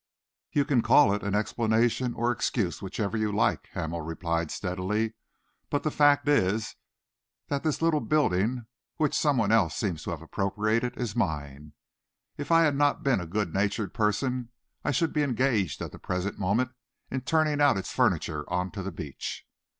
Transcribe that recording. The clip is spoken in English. "You can call it an explanation or an excuse, whichever you like," Hamel replied steadily, "but the fact is that this little building, which some one else seems to have appropriated, is mine. If I had not been a good natured person, I should be engaged, at the present moment, in turning out its furniture on to the beach."